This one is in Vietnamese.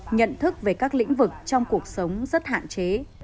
nhận thức về các lĩnh vực trong cuộc sống rất hạn chế